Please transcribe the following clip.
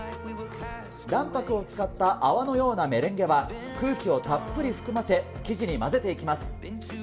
卵白を使った泡のようなメレンゲは、空気をたっぷり含ませ、生地に混ぜていきます。